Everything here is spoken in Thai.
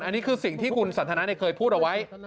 อันนี้คือสิ่งที่คุณสันทนาเคยพูดเอาไว้